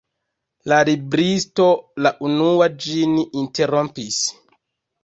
La libristo la unua ĝin interrompis.